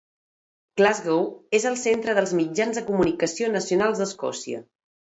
Glasgow és el centre dels mitjans de comunicació nacionals d'Escòcia.